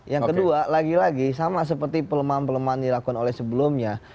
yang kedua lagi lagi sama seperti pelemahan pelemahan dilakukan oleh sebelumnya